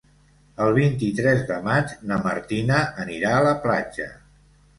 El vint-i-tres de maig na Martina anirà a la platja.